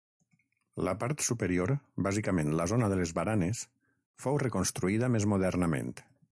La part superior, bàsicament la zona de les baranes, fou reconstruïda més modernament.